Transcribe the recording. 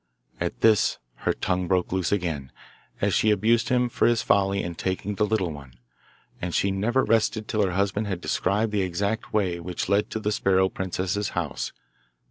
At this her tongue broke loose again, as she abused him for his folly in taking the little one, and she never rested till her husband had described the exact way which led to the sparrow princess's house.